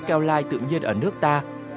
keo lai tự nhiên ở nước ta